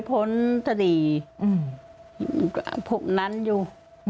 พวกนั้นอยู่